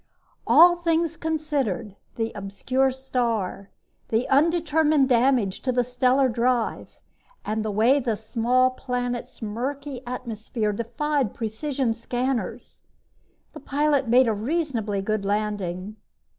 All things considered the obscure star, the undetermined damage to the stellar drive and the way the small planet's murky atmosphere defied precision scanners the pilot made a reasonably good landing.